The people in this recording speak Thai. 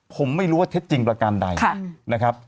ผมไม่รู้ว่าเท็จจริงประการใดนะครับ